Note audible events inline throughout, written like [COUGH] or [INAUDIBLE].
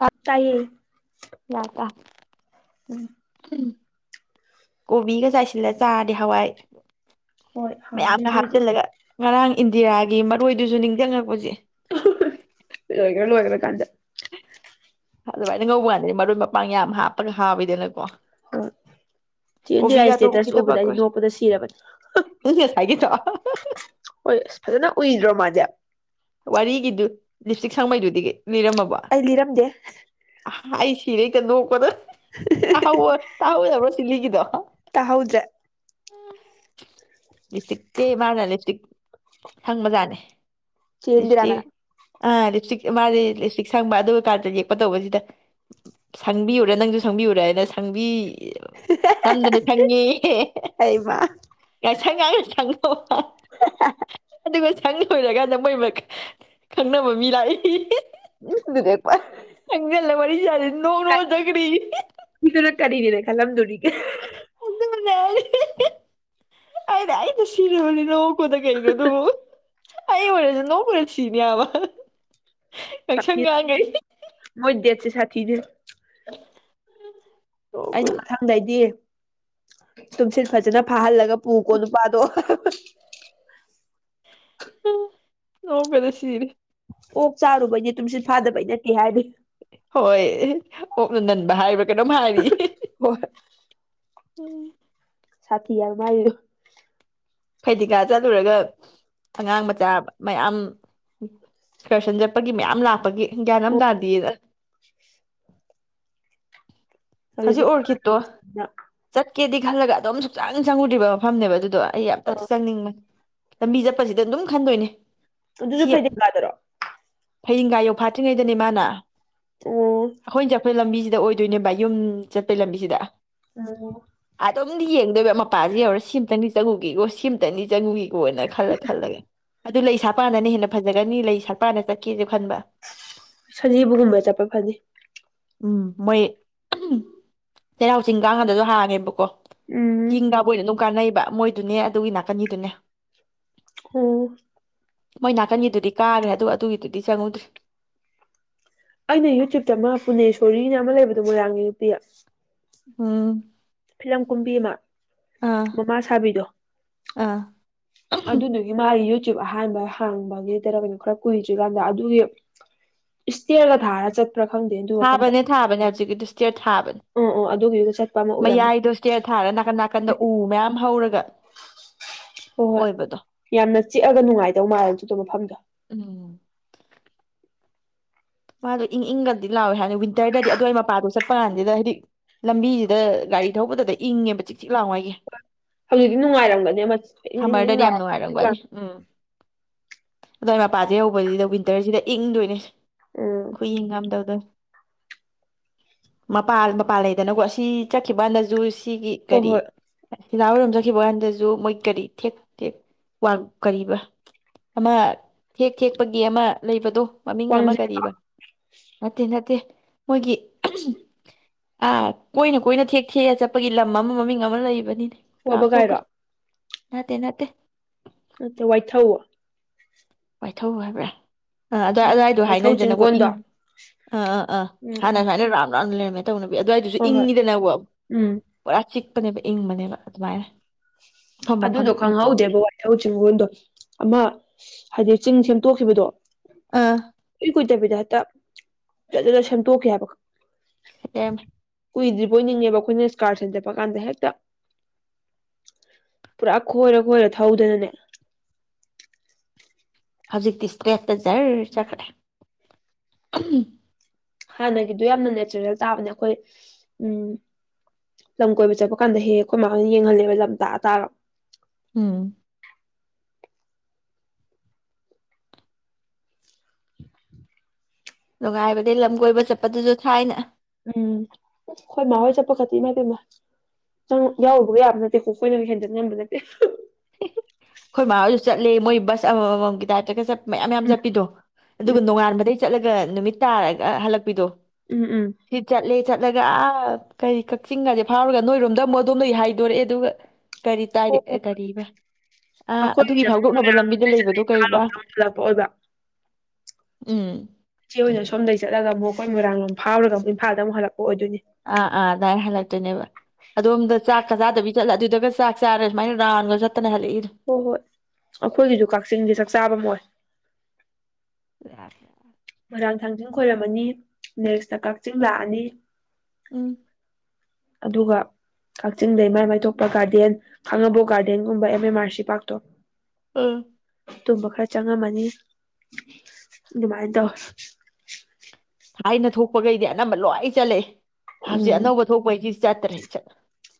ꯌꯥ ꯇꯥꯏꯌꯦ ꯌꯗ꯭ꯔ ꯎꯝ ꯎꯝ ꯀꯣꯕꯤꯒ ꯆꯥꯏꯁꯤꯜꯂ ꯆꯥꯔꯗꯤ ꯍꯋꯥꯏ ꯍꯣꯏ ꯍꯥꯎꯅꯤ ꯃꯌꯥꯝꯒ ꯑꯗꯨꯏꯗꯤ ꯍꯥꯞꯆꯤꯜꯂꯒ ꯉꯔꯥꯡ ꯏꯟꯗꯤꯌꯥꯒꯤ ꯃꯔꯣꯏꯗꯨꯁꯨ ꯅꯤꯡꯖꯪꯉꯛꯄꯁꯦ ꯂꯣꯏꯈ꯭ꯔ ꯂꯣꯏꯈ꯭ꯔ ꯀꯥꯟꯗ ꯑꯗꯨꯃꯥꯏꯅ ꯉꯧꯕ ꯀꯥꯟꯗꯗꯤ ꯃꯔꯣꯏ ꯃꯄꯥꯡ ꯌꯥꯝ ꯍꯥꯞꯄꯅ ꯍꯥꯎꯋꯤꯗꯅꯀꯣ ꯑ ꯆꯦꯏꯟꯗꯤꯔꯒꯤ ꯀꯣꯕꯤꯒꯥꯇꯣ ꯏꯁꯇꯦꯇꯁ ꯎꯈꯤꯗꯕ ꯎꯕꯗ ꯑꯩꯗꯤ ꯑꯩꯈꯣꯏ ꯅꯣꯛꯄꯗ ꯁꯤꯔꯕꯅꯤ ꯍꯥ ꯉꯁꯥꯏꯒꯤꯗꯣ ꯍꯣꯏ ꯏꯁ ꯐꯖꯅ ꯎꯏꯗ꯭ꯔꯣ ꯃꯥꯗꯤ ꯋꯥꯔꯤꯒꯤꯗꯨ ꯂꯤꯞꯁꯇꯤꯛ ꯁꯪꯕꯩꯗꯨꯢꯗꯤ ꯑꯩ ꯂꯤꯔꯝꯗꯦ ꯍ ꯑꯩ ꯁꯤꯔꯦ ꯍꯦꯛꯇ ꯅꯣꯛꯄꯗ ꯇꯍꯧꯋ ꯇꯥꯍꯧꯗꯕ꯭ꯔꯣ ꯆꯤꯂꯤꯒꯤꯗꯣ ꯇꯥꯍꯧꯗ꯭ꯔꯦ ꯂꯤꯞꯁꯇꯤꯛꯇꯤ ꯃꯥꯅ ꯂꯤꯞꯁꯇꯤꯛ ꯁꯪꯕꯖꯥꯠꯅꯦ ꯆꯦ ꯏꯟꯗꯤꯔꯥꯅ ꯂꯤꯞꯁꯇꯤꯛ ꯑ ꯂꯤꯞꯁꯇꯤꯛ ꯃꯥꯗꯤ ꯂꯤꯞꯁꯇꯤꯛ ꯁꯪꯕ ꯑꯗꯨꯒ ꯀꯥꯔꯗꯗꯤ ꯇꯧꯕꯁꯤꯗ ꯁꯪꯕꯤꯌꯨꯔꯥ ꯅꯪꯁꯨ ꯁꯪꯕꯤꯌꯨꯔꯥ ꯗ ꯁꯪꯕꯤ ꯅꯝꯗꯅ ꯁꯪꯉꯦꯌꯦ ꯑꯩꯃ [UNINTELLIGIBLE] ꯑꯣ ꯍ ꯑꯗꯨꯒ ꯁꯪ ꯂꯣꯏꯔꯀꯥꯟꯗ ꯃꯣꯏꯃꯛ ꯈꯪꯅꯕ ꯃꯤ ꯂꯥꯛꯏꯌꯦ ꯆꯪꯖꯤꯜꯂ ꯋꯥꯔꯤ ꯁꯥꯖꯤꯟ ꯅꯣꯛ ꯅꯣꯛ ꯑ ꯆꯠꯈ꯭ꯔꯦꯌꯦ ꯀꯔꯤꯗꯨꯅ ꯀꯔꯤꯅꯦꯅ ꯈꯂꯝꯗꯣꯔꯤꯒꯦ- ꯑꯗꯨ [UNINTELLIGIBLE] ꯑꯩꯗꯤ ꯁꯤꯔꯕꯅꯦ ꯅꯣꯛꯄꯗ ꯀꯩꯅꯣ ꯗꯨꯕꯣ ꯑꯩ ꯑꯣꯢꯔꯖꯨ ꯅꯣꯛꯄ [UNINTELLIGIBLE] [UNINTELLIGIBLE] [UNINTELLIGIBLE] ꯑꯩꯅ ꯅꯣꯛꯄꯗ ꯃꯊꯪꯗꯩꯗꯤ ꯇꯨꯨꯝꯁꯤꯠ ꯐꯖꯅꯥ ꯐꯥꯍꯜ ꯂꯒꯥ ꯄꯨꯀꯣ ꯅꯨꯄꯥꯗꯣ [UNINTELLIGIBLE] ꯅꯣꯛꯄꯗ ꯁꯤꯔꯦ ꯑꯣꯛ ꯆꯔꯨꯕꯩꯅꯦ ꯇꯨꯝꯁꯤꯠ ꯐꯥꯗꯕꯩ ꯅꯠꯇꯦ ꯍꯥꯏꯕꯤ ꯍꯣꯏ ꯑꯣꯛꯅ ꯅꯟꯕ ꯍꯥꯏꯕ ꯀꯩꯅꯣꯝ ꯍꯥꯏꯔꯤ ꯍꯤ ꯍꯤ ꯍꯣꯏ ꯎꯝ ꯁꯥ ꯊꯤ ꯍꯥꯏꯕ ꯃꯥꯥꯏꯗꯨꯖꯨ ꯐꯩꯗꯤꯡꯒꯥ ꯆꯠꯂꯨꯔꯒ ꯑꯉꯥꯡ ꯃꯆꯥꯥ ꯃꯌꯥꯝ ꯑꯦꯛꯁꯀꯔꯁꯟ ꯆꯠꯄꯒꯤ ꯃꯌꯥꯝ ꯂꯥꯛꯄꯒꯤ ꯒꯤꯌꯥꯟ ꯑꯝ ꯇꯥꯗꯦꯅ ꯑꯁ- ꯍꯧꯖꯤꯛ ꯍꯧꯖꯤꯛꯁꯦ ꯑꯣꯔꯀꯤꯠꯇꯣ ꯆꯠꯀꯦꯗꯤ ꯈꯜꯂꯒ ꯑꯗꯨꯝ ꯆꯪ ꯆꯪꯉꯨꯗ꯭ꯔꯤꯕ ꯃꯐꯝꯅꯦꯕ ꯑꯗꯨꯗꯣ ꯑꯩ ꯌꯥꯝ ꯑꯥ ꯆꯪꯅꯤꯡꯕꯅꯤ ꯂꯝꯕꯤ ꯆꯠꯄꯖꯤꯗ ꯑꯗꯨꯝ ꯈꯟꯗꯣꯏꯅꯦ ꯑꯗꯨꯁꯨ ꯁꯤ ꯐꯩꯗꯤꯡꯒꯥꯗꯔꯣ ꯐꯩꯗꯤꯡꯒꯥ ꯌꯧꯐꯥꯠꯇ꯭ꯔꯤꯉꯩꯗꯅꯦ ꯃꯥꯅ ꯑꯣ ꯑꯩꯈꯣꯏꯅ ꯆꯠꯄꯩ ꯂꯝꯕꯤꯖꯤꯗ ꯑꯣꯏ ꯑꯣꯏꯗꯣꯏꯅꯦꯕ ꯌꯨꯝ ꯆꯠꯄꯩ ꯂꯝꯕꯤꯁꯤꯗ ꯎꯝ ꯑꯗꯨꯝꯗꯤ ꯌꯦꯡꯗꯣꯏꯕ ꯃꯄꯥꯁꯤ ꯌꯧꯔꯦ ꯁꯤꯑꯝꯇꯪꯗꯤ ꯆꯪꯎꯒꯦꯌꯨꯁ ꯁꯤꯝꯇꯪꯗꯤ ꯆꯪꯒꯤ ꯑꯣꯏꯅ ꯈꯜꯂꯦ ꯈꯜꯂꯒꯦ ꯑꯗꯨ ꯂꯩ ꯁꯥꯠꯄꯥꯀꯥꯟꯗꯅ ꯍꯦꯟꯅ ꯐꯖꯒꯅꯤ ꯂꯩ ꯁꯥꯠꯄꯥꯀꯥꯟꯗ ꯆꯠꯀꯦꯖꯦ ꯁꯖꯤꯕꯨꯒꯨꯝꯕ ꯆꯠꯄ ꯐꯅꯤ ꯎꯝ ꯃꯣꯏ ꯆꯩꯔꯥꯎ ꯆꯤꯡꯀꯥꯀꯥꯟꯗꯖꯨ ꯍꯥꯡꯉꯦꯕꯀꯣ ꯎꯝ ꯆꯤꯡ ꯀꯥꯕ ꯑꯣꯏꯅ ꯑꯗꯨꯝ ꯀꯥꯟꯅꯩꯕ ꯃꯣꯏ ꯑꯗꯨꯅꯦ ꯑꯗꯨꯒꯤ ꯅꯥꯀꯟꯅꯤꯗꯨꯅꯦ ꯑꯣ ꯃꯣꯏ ꯅꯥꯀꯟꯒꯤꯗꯨꯗꯤ ꯀꯥꯒ꯭ꯔꯦ ꯑꯗꯨ ꯑꯗꯨꯒꯤꯗꯨꯗꯤ ꯆꯪꯍꯧꯗ꯭ꯔꯦ ꯑꯩꯅ ꯌꯨꯇ꯭ꯌꯨꯕꯇ ꯑꯃ ꯄꯨꯅꯦꯁꯣꯔꯤꯅ ꯑꯃ ꯂꯩꯕꯗꯣ ꯃꯣꯏꯔꯥꯡꯒꯤ ꯅꯨꯄꯤ ꯎꯝ ꯐꯤꯂꯝ ꯀꯨꯝꯕꯤ ꯑꯃ ꯑꯥ ꯃꯃꯥ ꯁꯥꯕꯤꯗꯣ ꯑꯥ ꯑꯗꯨꯗꯨꯒꯤ ꯃꯥꯒꯤ ꯌꯨꯇꯨꯕ ꯑꯍꯥꯟꯕ ꯍꯥꯡꯕꯒꯤ ꯇꯔ ꯀꯩꯅꯣ ꯈꯔ ꯀꯨꯏꯗ꯭ꯔꯤ ꯀꯥꯟꯗ ꯑꯗꯨꯒꯤ ꯏꯁꯇꯤꯌꯔꯒ ꯊꯥꯔ ꯆꯠ ꯈꯔ ꯈꯪꯗꯦ ꯑꯗꯨ ꯃꯐꯝꯗ ꯊꯥꯕꯅꯦ ꯊꯥꯕꯅꯦ ꯍꯧꯖꯤꯛꯀꯤꯗꯨ ꯏꯁꯇꯤꯌꯔ ꯑꯣ ꯑꯣ ꯑꯗꯨꯒꯤꯗꯨꯗ ꯆꯠꯄ ꯑꯃ ꯎꯔꯝꯃꯦ ꯑꯩ ꯗꯣ ꯏꯁꯇꯤꯔ ꯊꯥꯔꯒ ꯅꯥꯀꯟ ꯅꯥꯀꯟ ꯀꯟꯗ ꯎ ꯃꯌꯥꯝ ꯍꯧꯔꯒ ꯍꯣꯏ ꯍꯣꯏ ꯑꯣꯏꯕꯗꯣ ꯌꯥꯝꯅ ꯆꯤꯛꯑꯒ ꯅꯨꯡꯉꯥꯏꯗꯧ ꯃꯥꯜꯂꯦꯗꯨꯗꯣ ꯃꯐꯝꯗꯣ ꯎꯝ ꯃꯥꯗꯣ ꯏꯪ ꯏꯪꯒꯗꯤ ꯂꯥꯎꯋꯦ ꯍꯥꯏꯗꯤ ꯋꯤꯟꯇꯔꯗꯗꯤ ꯑꯗꯨꯋꯥꯏ ꯃꯄꯥꯗꯣ ꯆꯠꯄ ꯀꯥꯟꯁꯤꯗ ꯍꯥꯏꯗꯤꯛ ꯂꯝꯕꯤꯁꯤꯗ ꯒꯥꯔꯤ ꯊꯧꯕꯗꯨꯗ ꯏꯪꯉꯦꯕ ꯆꯤꯛ ꯆꯤꯛ ꯂꯥꯎ ꯍꯥꯏꯒꯤ ꯍꯧꯖꯤꯛꯇꯤ ꯅꯨꯡꯉꯥꯏꯔꯝꯒꯅꯤ ꯑꯃ ꯏꯪ ꯏꯪ ꯏꯪ ꯁꯝꯃꯔꯗꯗꯤ ꯌꯥꯝ ꯂꯥꯎꯔ ꯅꯨꯡꯉꯥꯏꯔꯝꯒꯅꯤ ꯎꯝ ꯑꯗꯣ ꯑꯩ ꯃꯄꯥꯁꯦ ꯌꯧꯕꯁꯤꯗ ꯋꯤꯟꯇꯔꯁꯤꯗ ꯏꯪꯗꯣꯏꯅꯦ ꯎꯝ ꯈꯨ ꯌꯦꯡ ꯉꯝꯗꯧꯗ ꯃꯄꯥꯜ ꯃꯄꯥꯟ ꯂꯩꯗꯅꯀꯣ ꯑꯁꯤ ꯆꯠꯈꯤꯕ ꯍꯥꯟꯅꯖꯨ ꯁꯤꯒꯤ ꯍꯣꯏ ꯀꯔꯤ ꯍꯣꯏ ꯊꯤꯜꯂꯥ ꯑꯣꯏꯏꯔꯣꯝ ꯆꯠꯈꯤꯕ ꯀꯥꯟꯗꯁꯨ ꯃꯣꯏ ꯀꯔꯤ ꯊꯦꯛ ꯊꯦꯛ ꯋꯥ ꯀꯔꯤꯕ ꯑꯃ ꯊꯦꯛ ꯊꯦꯛꯄꯒꯤ ꯑꯃ ꯂꯩꯕꯗꯣ ꯃꯃꯤꯡ ꯑꯃ ꯋꯥꯡꯖꯤꯡ ꯅꯠꯇꯦ ꯐꯠꯇꯦ ꯃꯣꯏꯒꯤ ꯑ ꯀꯣꯏꯅ ꯀꯣꯏꯅ ꯊꯦꯛ ꯊꯦꯛꯑ ꯆꯠꯄꯒꯤ ꯂꯝ ꯑꯃ ꯃꯃꯤꯡ ꯑꯃ ꯂꯩꯕꯅꯤꯅꯦ ꯋꯥꯕꯒꯥꯏꯔꯣ ꯀꯥꯊꯣꯛꯈ꯭ꯔꯦ ꯅꯠꯇꯦ ꯅꯠꯇꯦ ꯃ ꯋꯥꯏꯊꯧ ꯋꯥꯏꯊꯧ ꯍꯥꯏꯕ꯭ꯔꯥ ꯑꯥ ꯑꯗꯨꯏ ꯎꯝ ꯑꯗꯨꯗꯋꯥꯏꯗꯣ ꯋꯥꯏꯊꯧ ꯍꯥꯏꯅꯔꯤꯗꯅꯀꯣ ꯏꯪ ꯆꯤꯡꯒꯣꯟꯗꯣ ꯑꯥ ꯑꯥ ꯑꯥ ꯎꯝ ꯍꯥꯟꯅ ꯎꯝ ꯁꯨꯃꯥꯏꯅ ꯔꯝ ꯇꯟꯂꯦꯃꯤ ꯇꯧꯅꯕꯤ ꯑꯗꯨꯋꯥꯏꯗꯨꯁꯨ ꯍꯣꯏ ꯍꯣꯏ ꯏꯪꯉꯤꯗꯅꯕꯨ ꯎꯝ ꯄꯨꯔꯥ ꯆꯤꯛꯄꯅꯦꯕ ꯏꯪꯕꯅꯦꯕ ꯑꯗꯨꯃꯥꯏꯅ ꯃꯐꯝ ꯃꯐꯝ ꯑꯗꯨꯗꯣ ꯏꯪ ꯏꯪ ꯈꯪꯍꯧꯗꯦꯕ ꯋꯥꯏꯊꯧ ꯆꯤꯡꯒꯟꯗꯣ ꯑꯃ ꯍꯥꯏꯗꯤ ꯆꯤꯡ ꯁꯦꯝꯇꯣꯛꯈꯤꯕꯗꯣ ꯑꯥ ꯆꯠꯇꯕꯤꯗ ꯍꯦꯛꯇ ꯐꯖꯅ ꯁꯦꯝꯗꯣꯛꯈꯤꯦ ꯍꯥꯏꯕꯀꯣ ꯂꯩꯔꯝꯃꯦ ꯀꯨꯏꯗ꯭ꯔꯤ ꯕꯣꯏ ꯅꯤꯡꯉꯦꯕ ꯑꯩꯈꯣꯏꯅ ꯀꯥꯔꯁꯟ ꯆꯠꯄ ꯀꯥꯟꯗ ꯍꯦꯛꯇ ꯄꯨꯔꯥ ꯈꯣꯏꯔ ꯈꯣꯏꯔ ꯊꯧꯗꯅꯅꯦ ꯍꯧꯖꯤꯛꯇꯤ ꯁ꯭ꯇꯦꯠꯇ ꯖꯔ ꯆꯠꯈ꯭ꯔꯦ ꯍꯥꯟꯅꯒꯤꯗꯣ ꯌꯥꯝꯅ ꯅꯦꯆꯔꯦꯜ ꯇꯥꯕꯅꯦ ꯑꯩꯈꯣꯏ ꯎꯝ ꯂꯝ ꯀꯣꯏꯕ ꯆꯠꯄ ꯀꯥꯟꯗ ꯍꯦꯛ ꯍꯦꯛ ꯑꯩꯈꯣꯏ ꯃꯥꯅ ꯌꯦꯡꯍꯜꯂꯦꯕ ꯂꯝ ꯇꯥꯛꯑ ꯇꯥꯛꯑꯒ ꯎꯝ ꯅꯨꯡꯉꯥꯏꯕꯅꯤ ꯂꯝ ꯀꯣꯏꯕ ꯆꯠꯄꯗꯨꯁꯨ ꯊꯥꯏꯅ ꯎꯝ ꯍꯣꯏ ꯃꯥ ꯍꯣꯏ ꯆꯠ ꯀꯣꯛꯀꯥ ꯆꯤꯛꯏ ꯏꯃꯥꯢꯄꯦꯝꯃ ꯁꯔꯨꯛ ꯌꯥꯎꯔꯨꯕꯒ ꯌꯥꯕ ꯅꯠꯇꯦ ꯑꯣ ꯑꯩꯈꯣꯏꯅ ꯍꯦꯟꯗꯠ ꯉꯝꯕ ꯅꯠꯇꯦ ꯑꯩꯈꯣꯏ ꯃꯥꯥꯁꯨ ꯆꯠꯂꯦ ꯃꯣꯏ ꯕꯁ ꯑꯃꯃꯝꯒꯤ ꯇꯥꯏꯞꯇꯒ ꯆꯠꯄ ꯃꯌꯥꯝ ꯃꯌꯥꯝ ꯎꯝ ꯆꯠꯄꯤꯗꯣ ꯎꯝ ꯑꯗꯨꯒ ꯅꯣꯡꯉꯥꯟꯕꯗꯩ ꯅꯨꯃꯤꯠ ꯇꯥꯔꯒ ꯍꯜꯂꯛꯄꯤꯗꯣ ꯎꯝ ꯎꯝ ꯁꯤ ꯆꯠꯂꯦ ꯆꯠꯂꯒ ꯑ ꯀꯔꯤ ꯀꯛꯆꯤꯡ ꯒꯥꯔꯗꯦꯟ ꯐꯥꯎꯔꯒ ꯅꯣꯏꯔꯣꯝꯗ ꯑꯃꯨꯛ ꯑꯗꯣꯝꯗꯒꯤ ꯍꯥꯏꯗꯣꯔꯛꯑꯦ ꯑꯗꯨꯒ ꯀꯔꯤ ꯇꯥꯢꯔꯤ ꯍꯣꯏ ꯍꯣꯏ ꯀꯔꯤꯕ ꯑ ꯑꯗꯨꯒꯤ ꯑꯩꯈꯣꯏꯒꯤꯅ ꯑꯃꯨꯛ ꯐꯥꯎꯗꯣꯛꯅꯕ ꯂꯝꯕꯤꯗ ꯂꯩꯕꯗꯣ ꯀꯩꯕ ꯍꯥꯟꯂꯣꯝꯗ ꯑꯃꯨꯛ ꯍꯜꯂꯛꯄ ꯑꯣꯏꯕ ꯎꯝ ꯏꯆꯦ ꯑꯣꯏꯅ ꯁꯣꯝꯗꯩ ꯆꯠꯂꯒ ꯑꯃꯨꯛ ꯈꯣꯏꯅ ꯃꯣꯢꯔꯥꯡꯂꯣꯝꯗ ꯐꯥꯎꯔꯒ ꯑꯃꯨꯛ ꯏꯝꯐꯥꯗ ꯑꯃꯨꯛ ꯍꯂꯛꯄ ꯑꯥ ꯑꯥ ꯑꯗꯨꯃꯥꯏꯅ ꯍꯜꯂꯛꯇꯣꯏꯅꯦꯕ ꯑꯗꯣꯝꯗ ꯆꯥꯛꯀ ꯆꯥꯗꯕꯤ ꯆꯠꯂ ꯑꯗꯨꯗꯒ ꯆꯥꯛ ꯆꯥꯔ ꯑꯗꯨꯃꯥꯏꯅ ꯔꯥꯎꯟꯒ ꯆꯠꯂ ꯍꯣꯏ ꯍꯣꯏ ꯑꯩꯈꯣꯏꯒꯤꯁꯨ ꯀꯛꯆꯤꯡꯗꯤ ꯆꯥꯛꯆꯥꯥꯕꯝ ꯑꯣꯏ ꯀꯝ ꯆ ꯃꯣꯏꯔꯥꯡ ꯊꯥꯡꯖꯤꯡ ꯈꯣꯏꯔꯝꯃꯅꯤ ꯅꯦꯛꯁꯇ ꯀꯛꯆꯤꯡ ꯂꯥꯛꯑꯅꯤ ꯎꯝ ꯑꯗꯨꯒ ꯀꯛꯆꯤꯡꯗꯩ ꯃꯥꯏ ꯃꯥꯏꯊꯣꯛꯄ ꯒꯥꯔꯗꯦꯟ ꯈꯥꯡꯉꯕꯣꯛ ꯒꯥꯔꯗꯦꯟꯒꯨꯝꯕ ꯑꯦꯝ ꯑꯦꯝ ꯑꯥꯔ ꯁꯤ ꯄꯥꯔꯛꯇꯣ ꯎꯝ [INAUDIBLE] ꯇꯨꯝꯕ ꯈꯔ ꯆꯪꯉꯝꯃꯅꯤ ꯑꯗꯨꯃꯥꯏꯅ ꯇꯧꯋꯦ ꯊꯥꯏꯅ ꯊꯣꯛꯄꯈꯩꯗꯤ ꯑꯅꯝꯕ ꯂꯣꯏ ꯆꯠꯂꯦ ꯑꯩ ꯎꯝ ꯍꯧꯖꯤꯛ ꯑꯅꯧꯕ ꯊꯣꯛꯄꯩꯗꯤ ꯆꯠꯇ꯭ꯔꯦ ꯏꯆꯠ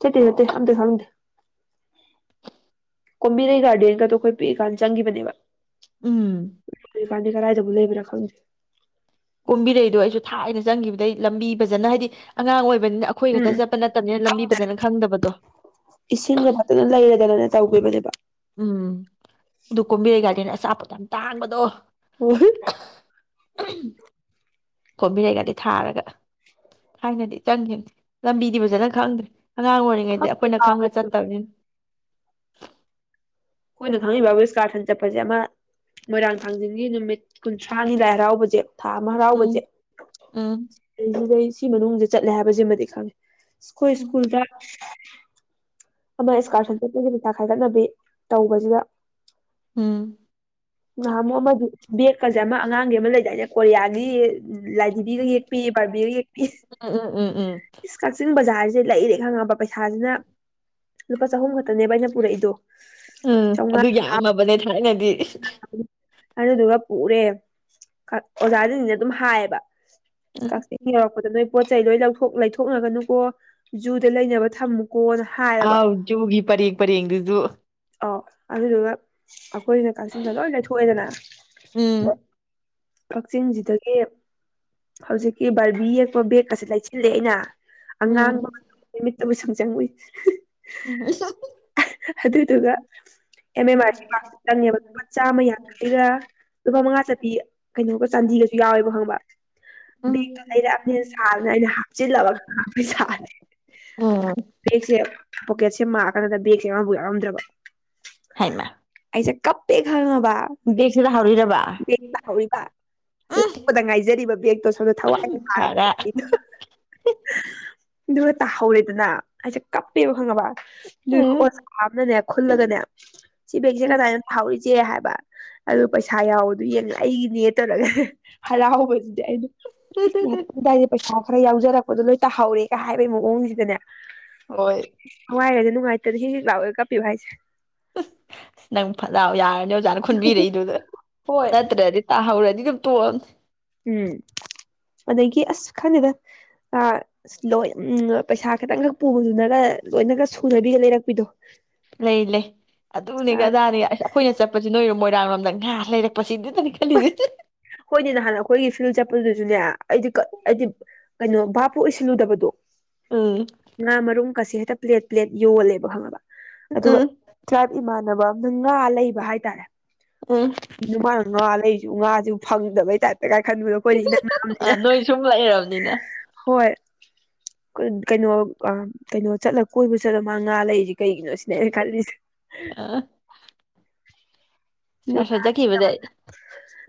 ꯆꯠꯇꯦ ꯆꯠꯇꯦ ꯑꯝꯗ ꯈꯪꯗꯦ ꯀꯣꯝꯕꯤꯔꯩ ꯒꯥꯔꯗꯦꯟꯒꯗꯣ ꯑꯩꯈꯣꯏ ꯄꯤꯛꯏꯀꯥꯟꯗ ꯆꯪꯈꯤꯕꯅꯦꯕ ꯎꯝ ꯄꯜꯗꯤ ꯀꯗꯥꯢꯗꯕꯨ ꯂꯩꯕꯅꯣ ꯈꯪꯗꯦ ꯀꯨꯝꯕꯤꯔꯩꯗꯣ ꯑꯩꯁꯨ ꯊꯥꯏꯅ ꯆꯪꯈꯤꯕꯗꯩ ꯂꯝꯕꯤ ꯐꯖꯅ ꯍꯥꯏꯗꯤ ꯑꯉꯥꯡ ꯑꯣꯏꯕꯅꯤꯅ ꯑꯩꯈꯣꯏ ꯈꯛꯇ ꯎꯝ ꯎꯝ ꯆꯠꯄ ꯅꯠꯇꯕꯅꯤꯅ ꯂꯝꯕꯤ ꯐꯖꯅ ꯈꯪꯗꯕꯗꯣ ꯇꯧꯕꯤꯕꯅꯦꯕ ꯎꯝ ꯑꯗꯨ ꯀꯣꯝꯕꯤꯔꯩ ꯒꯥꯔꯗꯅꯦ ꯑꯆꯥꯄꯣꯠꯠꯇ ꯌꯥꯝ ꯇꯥꯡꯕꯗꯣ ꯑꯣꯍꯤ ꯑꯍꯝ ꯀꯣꯝꯕꯤꯔꯩꯒꯗꯤ ꯊꯥꯔꯒ ꯊꯥꯏꯅꯗꯤ ꯆꯪꯈꯤꯅꯤ ꯂꯝꯕꯤꯗꯤ ꯐꯖꯅ ꯈꯪꯗ꯭ꯔꯦ ꯑꯉꯥꯡ ꯑꯣꯏꯔꯤꯉꯩꯗ ꯈꯪꯗꯦ ꯑꯩꯈꯣꯏꯅ ꯈꯪꯉ ꯀꯥꯎꯒ꯭ꯔꯦ ꯆꯠꯇꯕꯅꯤꯅ [INAUDIBLE] ꯈꯣꯏꯅ ꯈꯉꯤꯕꯥꯕꯨ ꯏꯁꯀꯥꯔꯁꯟ ꯆꯠꯄꯁꯦ ꯑꯃ ꯃꯣꯏꯔꯥꯡ ꯊꯥꯡꯖꯤꯡꯒꯤ ꯅꯨꯃꯤꯠ ꯀꯨꯟꯊ꯭ꯔꯥꯅꯤ ꯂꯥꯏ ꯍꯔꯥꯎꯕꯁꯦ ꯊꯥ ꯑꯃ ꯍꯔꯥꯎꯕꯁꯦ ꯎꯝ ꯎꯝ ꯁꯤꯗꯩ ꯁꯤ ꯃꯅꯨꯡꯁꯦ ꯆꯠꯂꯦ ꯍꯥꯏꯕꯁꯤꯃꯗꯤ ꯈꯪꯉꯦ ꯑꯁꯣꯏ ꯎꯝ ꯁ꯭ꯀꯨꯜꯗ ꯑꯃ ꯏꯁꯀꯔ ꯁꯟ ꯆꯠꯄꯒꯤ ꯄꯩꯁꯥ ꯈꯥꯏꯒꯠꯅꯕꯤ ꯇꯧꯕꯁꯤꯗ ꯎꯝ ꯅꯍꯥꯟꯃꯨꯛ ꯑꯃꯗꯤ ꯕꯦꯛꯀꯁꯦ ꯑꯃ ꯑꯉꯥꯡꯒꯤ ꯑꯃ ꯂꯩꯗꯥꯏꯗ ꯀꯣꯔꯤꯌꯥꯒꯤ ꯎ ꯂꯥꯏꯙꯕꯤꯒ ꯌꯦꯛꯄꯤ ꯕꯥꯔꯕꯤꯒ ꯌꯦꯛꯄꯤ ꯎꯝ ꯎꯝ ꯎꯝ ꯖꯥꯔꯁꯦ ꯂꯩꯏꯔꯦ ꯈꯪꯉꯛꯄ ꯄꯩꯁꯥꯁꯤꯅ ꯂꯨꯄꯥ ꯆꯍꯨꯝ ꯈꯛꯇꯅꯦꯕ ꯑꯩꯅ ꯄꯨꯔꯛꯏꯗꯣ ꯎꯝ ꯆꯥꯝꯃꯉꯥ ꯑꯗꯨ ꯌꯥꯝꯃꯕꯅꯦ ꯊꯥꯏꯅꯗꯤ ꯑꯗꯨꯗꯨꯒ ꯄꯨꯔꯦ ꯑꯣꯖꯥꯁꯤꯡꯁꯤꯅ ꯑꯗꯨꯝ ꯍꯥꯏꯌꯦꯕ ꯎꯝ ꯀꯛꯆꯤꯡ ꯌꯧꯔꯛꯄꯗ ꯅꯣꯏ ꯄꯣ ꯆꯩ ꯂꯣꯏ ꯂꯧ ꯊꯣꯛ ꯂꯩꯊꯣꯛꯅꯒꯅꯨꯀꯣ ꯖꯨꯗ ꯂꯩꯅꯕ ꯊꯝꯃꯨ ꯍꯥꯎ ꯖꯨꯒꯤ ꯄꯔꯦꯡ ꯄꯔꯦꯡ ꯗꯨꯖꯨ ꯑꯣ ꯑꯗꯨꯗꯨꯒ ꯑꯩꯈꯣꯏꯁꯤꯅ ꯀꯛꯆꯤꯡꯁꯤꯗ ꯂꯣꯏ ꯂꯩꯊꯣꯛꯑꯦꯗꯅ ꯎꯝ ꯀꯛꯆꯤꯡꯁꯤꯗꯒꯤ ꯍꯧꯖꯤꯛꯀꯤ ꯕꯥꯔꯕꯤ ꯑꯦꯛꯄ ꯕꯦꯛꯁꯗ ꯁꯦꯜꯂꯦ ꯑꯩꯅ ꯎꯝ ꯑꯉꯥꯡꯕ ꯑꯗꯨ ꯁꯪ ꯆꯪ ꯎꯏ ꯎꯝ ꯑꯗꯨꯏꯗꯨꯒ ꯑꯦꯝ ꯑꯦꯝ ꯑꯥꯔ ꯁꯤ ꯀ꯭ꯥꯂꯁꯇ ꯆꯪꯉꯦꯕ ꯂꯨꯄꯥ ꯆꯥꯝꯃ ꯌꯥꯡꯈꯩꯒ ꯂꯨꯄꯥ ꯃꯉꯥ ꯆꯞꯄꯤ ꯀꯩꯅꯣꯒ ꯆꯥꯟꯗꯤꯒꯁꯨ ꯌꯥꯎꯋꯦꯕ ꯈꯪꯉꯕ ꯎꯝ ꯕꯦꯛꯇꯣ ꯂꯩꯔꯛꯑꯕꯅꯦꯅ ꯁꯥꯗꯅ ꯑꯩꯅ ꯍ ꯑꯣ ꯄꯩꯁꯥꯅꯦ ꯎꯝ ꯕꯦꯛꯁꯦ ꯃꯥ ꯔꯥꯀꯟꯗ ꯕꯦꯒꯥꯁ ꯌꯥꯎꯕꯨ ꯌꯥꯎꯔꯝꯗ꯭ꯔꯕ ꯍꯩꯃ ꯑꯩꯁꯦ ꯀꯞꯄꯦ ꯈꯪꯉꯝ ꯕ ꯕꯦꯛꯁꯤꯗ ꯍꯧꯔꯤꯔꯕ ꯕꯦꯛ ꯇꯥꯍꯧꯔꯤꯕ ꯎꯝ ꯂꯄꯗ ꯉꯥꯏꯖꯔꯤꯕ ꯕꯦꯛꯇꯣ ꯁꯣꯝꯗ ꯊꯋꯥꯏꯅꯉꯥꯏꯔ ꯐꯔꯦ ꯍꯥ ꯍꯥ ꯑꯗꯨꯒ ꯇꯥꯍꯧꯔꯦꯗꯅ ꯍꯥꯏꯁꯦ ꯀꯞꯄꯦꯕ ꯈꯪꯉꯕ ꯑꯗꯨ ꯑꯣꯖꯥ ꯑꯃꯥꯅꯅꯦ ꯈꯨꯜꯂꯒꯅꯦ ꯁꯤ ꯕꯦꯛꯁꯦ ꯀꯅꯥꯏꯅꯣ ꯊꯥꯍꯧꯔꯤꯖꯦ ꯍꯥꯏꯕ ꯑꯗꯨ ꯄꯩꯁꯥ ꯌꯥꯎꯕꯗꯨ ꯌꯦꯡ ꯑꯩꯒꯤꯅꯦ ꯇꯧꯔꯒ ꯍꯔꯥꯎꯕꯖꯤ ꯑꯩꯗꯣ ꯏꯁ ꯉꯥꯛꯇ ꯗꯥꯏꯗ ꯄꯩꯁꯥ ꯈ ꯍꯧꯖꯔꯛꯄꯗꯣ ꯂꯣꯏ ꯇꯍꯧꯔꯦꯒ ꯍꯥꯏꯕꯩ ꯃꯑꯣꯡꯁꯤꯗꯅꯦ ꯍꯣꯏ ꯍꯋꯥꯏ ꯅꯨꯡꯉꯥꯏꯇꯅ ꯍꯤꯛ ꯍꯤꯛ ꯂꯥꯎꯒꯩ ꯀꯞꯄꯤꯕ ꯍꯥꯏꯁꯦ ꯍꯨꯪ ꯅꯪ ꯐꯠꯂꯥꯎ ꯌꯥꯔ ꯑꯣꯖꯥꯅ ꯈꯟꯕꯤꯔꯛꯏꯗꯨꯗ ꯍꯣꯏ ꯅꯠꯇ꯭ꯔꯗꯤ ꯇꯥꯍꯧꯔꯗꯤ ꯅꯤꯒ ꯇꯣꯛ ꯑꯝꯅꯤ ꯎꯝ ꯑꯗꯒꯤ ꯑꯁ ꯈꯪꯗꯦꯗ ꯑ ꯏꯁ ꯂꯣꯏ ꯎꯝꯑ ꯄꯩꯁꯥ ꯈꯤꯇꯪꯈꯛ ꯄꯨꯕꯗꯨꯅꯒ ꯂꯣꯏꯅꯒ ꯁꯨꯅꯕꯤꯒ ꯂꯩꯔꯛꯄꯤꯗꯣ ꯂꯩ ꯂꯩ ꯑꯗꯨꯅꯦꯒ ꯑ ꯑꯗꯥꯅꯦꯒ ꯑꯁ ꯑꯩꯈꯣꯏꯅ ꯆꯠꯄꯁꯤ ꯅꯣꯏꯔꯝ ꯃꯣꯏ [UNINTELLIGIBLE] ꯉꯥ ꯂꯩꯔꯛꯄꯁꯤꯗꯗꯅꯤ ꯈꯜꯂꯤꯁꯦ ꯍꯣꯏꯅꯦ ꯅꯍꯥꯟ ꯑꯩꯈꯣꯏꯒꯤ ꯐꯤꯜ ꯆꯠꯄꯗꯨꯁꯨꯅꯦ ꯑꯩꯗꯤ ꯀ ꯑꯩꯗꯤ ꯀꯩꯅꯣ ꯚꯥꯞꯄꯨ ꯑꯣꯏꯁꯤꯜꯂꯨꯗꯕꯗꯣ ꯎꯝ ꯉꯥꯃꯔꯨꯝ ꯀꯥꯁꯦ ꯍꯦꯇ ꯄ꯭ꯂꯦꯠ ꯄ꯭ꯂꯦꯠ ꯌꯣꯜꯂꯦꯕ ꯈꯪꯉꯕ ꯑꯗꯨꯒ ꯎꯝ ꯇ꯭ꯔꯥꯏꯞ ꯏꯃꯥꯟꯅꯕ ꯅꯪ ꯉꯥ ꯂꯩꯕ ꯍꯥꯏꯇꯥꯔꯦ ꯎꯝ ꯀꯩꯅꯣ ꯃꯅꯥ ꯉꯥ ꯂꯩ ꯎꯉꯥꯖꯨ ꯐꯪꯗꯕꯩ ꯇꯥꯏꯞ ꯀꯩꯀꯥꯏ ꯈꯟꯕꯗꯣ ꯑꯩꯈꯣꯏꯗꯤ ꯏꯅꯛ ꯑ ꯅꯛꯑꯝꯅꯤꯅ ꯍꯥ ꯅꯣꯏ ꯁꯨꯝ ꯂꯩꯔꯕꯅꯤꯅ ꯍꯥ ꯍꯣꯏ ꯀꯩꯅꯣ ꯑꯝ ꯀꯩꯅꯣ ꯆꯠꯂ ꯀꯣꯏꯕ ꯆꯠꯂ ꯃꯥ ꯉꯥ ꯂꯩꯔꯤ ꯀꯩꯒꯤꯅꯣ ꯁꯤꯅꯦ ꯑꯩꯅ ꯈꯜꯂꯤꯁꯦ ꯁꯥꯔ ꯁꯠ ꯆꯠꯈꯤꯕꯗ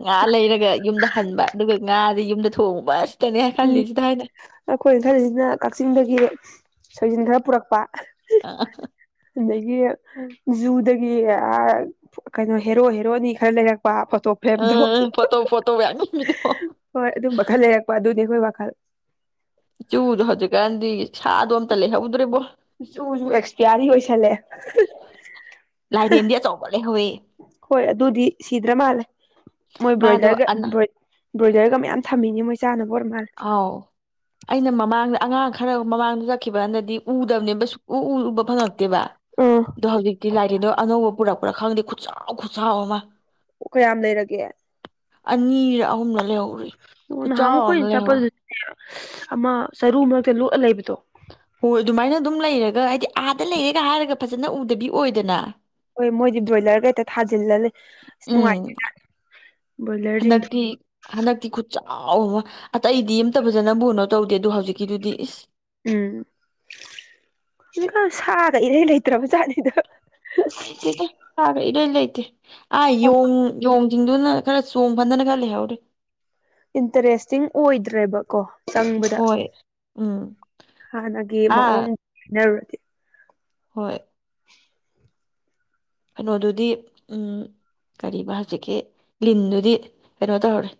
ꯉꯥ ꯂꯩꯔꯒ ꯌꯨꯝꯗ ꯍꯟꯕ ꯑꯗꯨꯒ ꯉꯥꯗꯤ ꯌꯨꯝꯗ ꯊꯣꯡꯕ ꯑꯁ ꯎꯝ ꯑꯩꯈꯣꯏꯅ ꯈꯜꯂꯤꯖꯤꯅ ꯀꯛꯆꯤꯡꯗꯒꯤ ꯁꯣꯏꯖꯤꯟ ꯈꯔ ꯄꯨꯔꯛꯄ ꯑ ꯑꯗꯒꯤ ꯖꯨꯗꯒꯤ ꯑꯥ ꯀꯩꯅꯣ ꯍꯦꯔꯣ ꯍꯦꯔꯣꯅꯤ ꯈꯔ ꯂꯩꯔꯛ ꯐꯣꯇꯣ ꯑ ꯐ꯭ꯔꯦꯝꯗꯣ ꯐꯣꯇꯣ ꯐꯣꯇꯣ ꯌꯥꯝ ꯅꯝꯃꯤꯗꯣ ꯍꯣꯏ ꯑꯗꯨꯝꯕ ꯈꯔ ꯂꯩꯔꯛꯄ ꯑꯗꯨ ꯑꯩꯈꯣꯏ ꯋꯈꯜ ꯆꯨꯗꯣ ꯍꯧꯖꯤꯛꯀꯥꯟꯗꯤ ꯁꯥꯗꯣ ꯑꯝꯇ ꯂꯩꯍꯧꯗ꯭ꯔꯦꯕꯣ ꯖꯨꯁꯨ ꯑꯦꯛꯁꯄꯤꯌꯥꯔꯤ ꯑꯣꯏꯁꯜꯂꯦ ꯂꯥꯏꯔꯦꯟꯗꯤ ꯑꯆꯧꯕ ꯂꯩꯍꯧꯋꯤ ꯍꯣꯏ ꯑꯗꯨꯗꯤ ꯁꯤꯗ꯭ꯔ ꯃꯥꯜꯂꯦ ꯃꯣꯏ ꯃꯥꯗꯣ ꯕ꯭ꯔꯣꯏꯂꯔꯒ ꯑꯅ ꯕꯔꯣꯏ ꯕ꯭ꯔꯣꯏꯂꯔꯒ ꯃꯌꯥꯝ ꯊꯝꯃꯤꯅꯤ ꯃꯣꯏ ꯆꯥꯅꯕ ꯑꯣꯏꯔ ꯃꯥꯜꯂꯦ ꯑꯥꯎ ꯑꯩꯅ ꯃꯃꯥꯡꯗ ꯑꯉꯥꯡ ꯈꯔ ꯃꯃꯥꯡꯗ ꯆꯠꯈꯤꯕ ꯍꯥꯟꯗꯗꯤ ꯎꯗꯕꯅꯦꯕ ꯁꯨꯡꯎ ꯎ ꯎꯕ ꯐꯪ ꯇꯦꯕ ꯑꯥ ꯑꯗꯣ ꯍꯧꯖꯤꯛꯇꯤ ꯂꯥꯏꯔꯦꯜꯗꯣ ꯑꯅꯧꯕ ꯄꯨꯔꯛ ꯄꯨꯔ ꯈꯪꯗ ꯈꯨꯠꯆꯥꯎ ꯈꯨꯠꯆꯑꯣ ꯑꯃ ꯑꯣ ꯀꯌꯥꯝ ꯂꯩꯔꯒꯦ ꯑꯅꯤꯔ ꯑꯍꯨꯝꯂ ꯂꯩꯍꯧ ꯑꯣ ꯅꯍꯥꯛꯃꯨꯛ ꯆꯄꯜ [UNINTELLIGIBLE] ꯑꯃ ꯆꯔꯨ ꯃꯔꯛꯇ ꯂꯣꯠꯑ ꯂꯩꯕꯗꯣ ꯍꯣꯏ ꯑꯗꯨꯃꯥꯏꯅ ꯑꯗꯨꯝ ꯂꯩꯔꯒ ꯍꯥꯏꯗꯤ ꯑꯥꯗ ꯂꯩꯔꯦꯒ ꯍꯥꯏꯔꯒ ꯐꯖꯅ ꯎꯗꯕꯤ ꯑꯣꯏꯗꯅ ꯍꯣꯏ ꯃꯣꯏꯗꯤ ꯕ꯭ꯔꯣꯏꯂꯔꯗ ꯍꯦꯛꯇ ꯊꯥꯖꯤꯜꯂ ꯂꯩ ꯑꯁ ꯅꯨꯡꯉꯥꯏ ꯎꯝ ꯕ꯭ꯔꯣꯏꯂꯔꯁꯤꯡꯗꯣ ꯍꯟꯗꯛꯇꯤ ꯍꯟꯗꯛꯇꯤ ꯈꯨꯠꯆꯥ ꯑꯥꯎ ꯑꯃ ꯑꯇꯩꯗꯤ ꯑꯝꯇ ꯐꯖꯅꯕꯨꯅꯣ ꯇꯧꯗꯦ ꯑꯗꯨ ꯍꯧꯖꯤꯛꯀꯤꯗꯨꯗꯤ ꯏꯁ ꯎꯝ ꯍꯨꯖꯤꯛꯀꯥꯟ ꯁꯥꯒ ꯏꯔꯩ ꯂꯩꯇ꯭ꯔꯕ ꯖꯥꯠꯅꯤꯗ ꯂꯩꯇꯦꯗ ꯁꯥꯒ ꯏꯔꯩ ꯂꯩꯇꯦ ꯑꯥ ꯌꯣꯡ ꯌꯣꯡ ꯆꯤꯡꯗꯨꯅ ꯈꯔ ꯆꯣꯡ ꯐꯟꯗꯅ ꯈꯔ ꯂꯩꯍꯧꯔꯤ ꯏꯟꯇꯔꯦꯁꯇꯤꯡ ꯑꯣꯏꯗ꯭ꯔꯦꯕꯀꯣ ꯆꯪꯕꯗ ꯍꯣꯏ ꯎꯝ ꯍꯥꯟꯅꯒꯤ ꯑꯥ ꯃꯑꯣꯡ ꯍꯥꯏꯅꯔꯨꯔ ꯍꯣꯏ [INAUDIBLE] ꯀꯩꯅꯣꯗꯨꯗꯤ ꯎꯝ ꯀꯔꯤꯕ ꯍꯧꯖꯤꯛꯀꯤ ꯂꯤꯟꯗꯨꯗꯤ ꯀꯩꯅꯣ ꯇꯧꯔ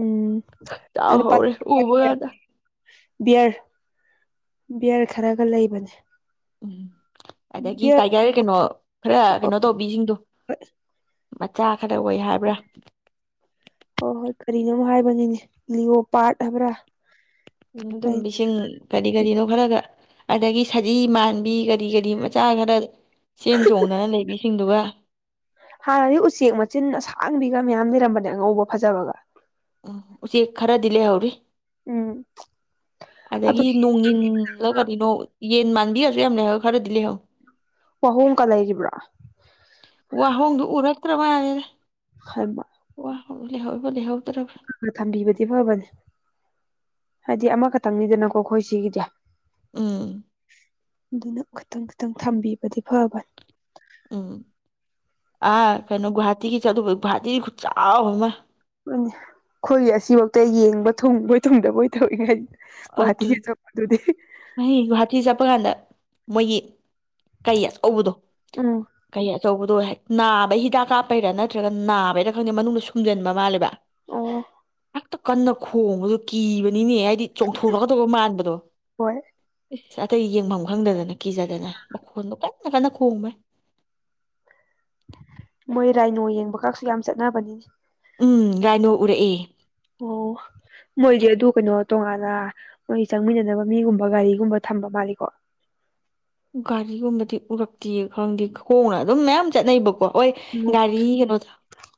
ꯎꯝ ꯇꯥ ꯑꯗꯣ ꯍꯧꯔꯦ ꯎꯕ ꯌꯥꯗ ꯕꯤꯌꯔ ꯕꯤꯌꯔ ꯈꯔꯒ ꯂꯩꯕꯅꯦ ꯎꯝ ꯑꯗꯒꯤ ꯕꯤꯌꯔ ꯇꯥꯏꯒꯔ ꯀꯩꯅꯣ ꯈꯔ ꯍꯣꯏ ꯀꯩꯅꯣ ꯇꯧꯕꯤꯁꯤꯡꯗꯣ ꯃꯆꯥ ꯈꯔ ꯑꯣꯏ ꯍꯥꯏꯕ꯭ꯔꯥ ꯍꯣꯏ ꯍꯣꯏ ꯀꯔꯤꯅꯣꯝ ꯍꯥꯏꯕꯅꯤꯅꯦ ꯂꯤꯑꯣ ꯄꯥꯔꯠ ꯍꯥꯏꯕ꯭ꯔꯥ ꯎꯝ ꯑꯗꯨꯝ ꯂꯩ ꯏꯁꯤꯡ ꯀꯔꯤ ꯀꯔꯤꯅꯣ ꯈꯔꯒ ꯑꯗꯩꯒꯤ ꯁꯖꯤ ꯃꯥꯟꯕꯤ ꯀꯔꯤ ꯀꯔꯤ ꯃꯆꯥ ꯈꯔ ꯆꯦꯟ ꯆꯣꯡꯗꯅ ꯂꯩꯕꯤꯁꯤꯡꯗꯨꯒ ꯍꯥꯟꯅꯗꯤ ꯎꯆꯦꯛ ꯃꯆꯤꯟ ꯑꯁꯥꯡꯕꯤꯒ ꯃꯌꯥꯝ ꯂꯩꯔꯝꯕꯅꯦ ꯑꯉꯧꯕ ꯐꯖꯕꯒ ꯎꯝ ꯎꯆꯦꯛ ꯈꯔ ꯗꯤ ꯂꯩꯍꯧꯔꯤ ꯎꯝ ꯑꯗꯨ ꯑꯗꯩꯒꯤ ꯅꯣꯡꯏꯜꯂ ꯀꯔꯤꯅꯣ ꯌꯦꯟ ꯃꯥꯟꯕꯤꯔꯁꯨ ꯌꯥꯝ ꯂꯩꯍꯧ ꯈꯔꯗꯤ ꯂꯩꯍꯧ ꯋꯥꯍꯣꯡꯨꯀ ꯂꯩꯈꯤꯕ꯭ꯔꯥ ꯋꯥꯍꯣꯡꯗꯨ ꯎꯔꯛꯇ꯭ꯔꯃꯥꯜꯂꯦꯗ ꯈꯔꯃꯥ ꯍꯕ ꯂꯍꯧꯏꯑꯦ ꯂꯩꯍꯧ ꯊꯝꯕꯤꯕꯗꯤ ꯐꯕꯅꯦ ꯍꯥꯏꯗꯤ ꯑꯃꯈꯛꯇꯪꯅꯤꯗꯅꯀꯣ ꯑꯩꯈꯣꯏ ꯁꯤꯒꯤꯗꯤ ꯎꯝ ꯑꯗꯨꯅ ꯈꯤꯇꯪ ꯈꯤꯇꯪ ꯊꯝꯕꯤꯕꯗꯤ ꯐꯕꯅꯤ ꯎꯝ ꯑꯥ ꯀꯩꯅꯣ ꯒꯨꯍꯥꯇꯤꯒꯤ ꯆ ꯑꯗꯨꯕ ꯒꯨꯍꯥꯇꯤꯗꯤ ꯈꯨꯠ ꯆꯥꯎꯕ ꯑꯃ ꯑꯩꯈꯣꯏꯒꯤ ꯑꯁꯤꯐꯨꯎꯇ ꯌꯦꯡꯕ ꯊꯨꯡꯕꯣꯏ ꯊꯨꯡꯗꯕꯣꯏ ꯇꯧꯋꯤꯉꯥꯏꯗ ꯒꯣꯋꯥꯍꯥꯇꯤ ꯆ ꯄꯗꯨ꯭ꯔꯗꯤ ꯍꯣꯏ ꯒꯨꯍꯥꯇꯤ ꯆꯠꯄ ꯀꯥꯟꯗ ꯃꯣꯏꯒꯤ ꯀꯩ ꯑꯆꯧꯕꯗꯣ ꯎꯝ ꯀꯩ ꯑꯆꯧꯕꯗꯣ ꯍꯦꯛ ꯅꯥꯕ ꯍꯤꯗꯥꯛ ꯀꯥꯞꯄꯩꯔꯥ ꯅꯠꯇ꯭ꯔꯒ ꯅꯥꯕꯩꯔ ꯈꯪꯗꯦ ꯃꯅꯨꯡꯗ ꯁꯨꯡꯖꯟꯕ ꯃꯥꯜꯂꯦꯕ ꯑꯣ ꯍꯥꯛꯛꯇ ꯀꯟꯅ ꯈꯣꯡꯕꯗꯨ ꯀꯤꯕꯅꯤꯅꯦ ꯍꯥꯏꯗꯤ ꯆꯣꯡꯊꯣꯔꯛꯀꯗꯧꯕ ꯃꯥꯟꯕꯗꯣ ꯍꯣꯏ ꯑꯇꯩ ꯌꯦꯡꯐꯝ ꯈꯪꯗꯗꯅ ꯀꯤꯖꯗꯅ ꯃꯈꯣꯟ ꯃꯣꯏ ꯔꯥꯏꯅꯣ ꯌꯦꯡꯕ ꯀꯛꯁꯨ ꯌꯥꯝ ꯆꯠꯅꯕꯅꯤꯅꯦ ꯎꯝ ꯔꯥꯏꯅꯣ ꯎꯔꯑꯦ ꯑꯣ ꯃꯣꯏꯗꯤ ꯑꯗꯨ ꯀꯩꯅꯣ ꯇꯣꯉꯥꯟꯅ ꯃꯣꯏ ꯆꯪꯃꯤꯟꯅꯅꯕ ꯃꯤꯒꯨꯝꯕ ꯒꯥꯔꯤꯒꯨꯝꯕ ꯊꯝꯕ ꯃꯥꯜꯂꯤꯀꯣ ꯒꯥꯔꯤꯒꯨꯝꯕꯗꯤ ꯎꯔꯛꯇꯤꯌꯦ ꯈꯪꯗꯦ ꯈꯣꯡꯅ ꯑꯗꯨꯝ ꯃꯌꯥꯝ ꯆꯠꯅꯩꯕꯀꯣ ꯑꯣꯏ ꯎꯝ ꯒꯥꯔꯤ ꯀꯩꯅꯣꯗ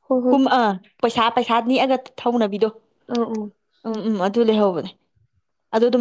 ꯍꯣꯏ ꯍꯣꯏ ꯀꯨꯝ ꯑ ꯄꯩꯁꯥ ꯄꯩꯁꯥ ꯅꯅꯦꯛꯑꯒ ꯊꯧꯅꯕꯤꯗꯣ ꯑ ꯑꯣ ꯎ ꯎꯝ ꯑꯗꯨ ꯂꯩꯍꯧꯕꯅꯦ- ꯑꯗꯨ ꯑꯗꯨꯝ